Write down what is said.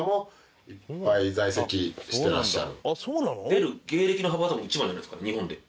出る芸歴の幅は多分一番じゃないですかね日本で。